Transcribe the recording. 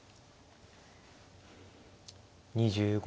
２５秒。